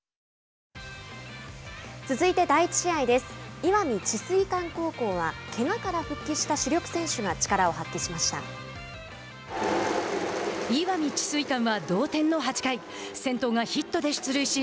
石見智翠館高校はけがから復帰した主力選手が力を発揮しました。